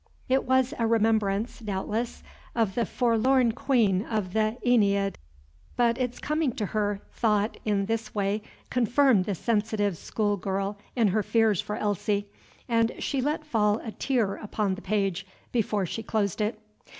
It was a remembrance, doubtless, of the forlorn queen of the "AEneid"; but its coming to her thought in this way confirmed the sensitive school girl in her fears for Elsie, and she let fall a tear upon the page before she closed it.